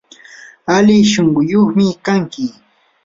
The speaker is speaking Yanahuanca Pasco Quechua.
ali shunquyuqmi kanki.